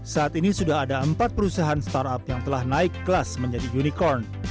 saat ini sudah ada empat perusahaan startup yang telah naik kelas menjadi unicorn